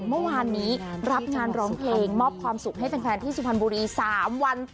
เมื่อวานนี้รับงานร้องเพลงมอบความสุขให้แฟนที่สุพรรณบุรี๓วัน